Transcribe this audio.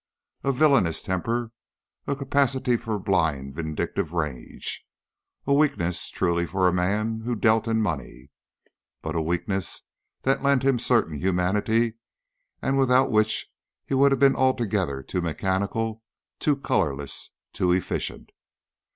a villainous temper, a capacity for blind, vindictive rage a weakness, truly, for a man who dealt in money but a weakness that lent him a certain humanity and without which he would have been altogether too mechanical, too colorless, too efficient.